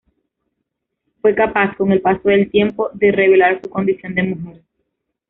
Fue capaz, con el paso del tiempo, de revelar su condición de mujer.